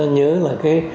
nhớ là cái